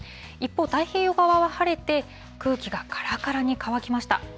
一方、太平洋側は晴れて、空気がからからに乾きました。